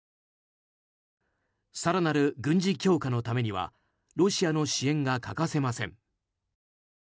更なる軍事強化のためにはロシアの支援が欠かせません。